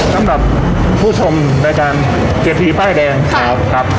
สำหรับผู้ชมรายการเศรษฐีป้ายแดงครับ